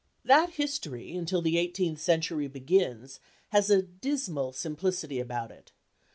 That history, until the eighteenth century begins, has a dismal simplicity about it.